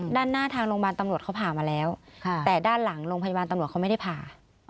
ด้านหน้าทางโรงพยาบาลตำรวจเขาผ่ามาแล้วแต่ด้านหลังโรงพยาบาลตำรวจเขาไม่ได้ผ่า